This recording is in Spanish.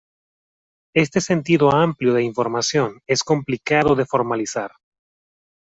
Este sentido amplio de información es complicado de formalizar.